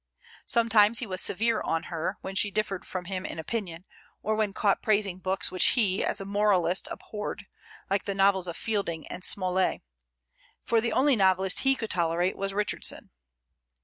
Sometimes he was severe on her, when she differed from him in opinion, or when caught praising books which he, as a moralist, abhorred, like the novels of Fielding and Smollet; for the only novelist he could tolerate was Richardson.